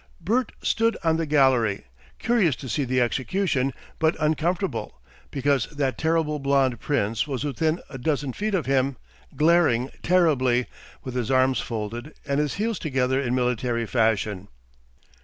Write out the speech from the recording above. Bert stood on the gallery, curious to see the execution, but uncomfortable, because that terrible blond Prince was within a dozen feet of him, glaring terribly, with his arms folded, and his heels together in military fashion.